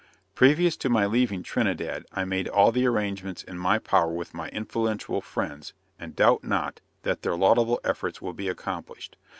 Previous to my leaving Trinidad, I made all the arrangements in my power with my influential friends, and doubt not, that their laudable efforts will be accomplished.